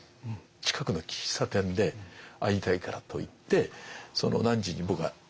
近くの喫茶店で会いたいからといってその何時に僕が行ったんですね。